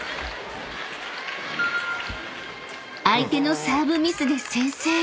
［相手のサーブミスで先制］